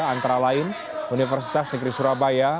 antara lain universitas negeri surabaya